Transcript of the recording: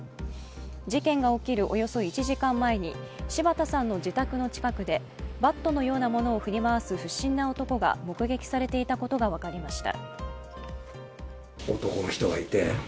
事件が起きるおよそ１時間前に柴田さんの自宅の近くでバットのようなものを振り回す不審な男が目撃されていたことが分かりました。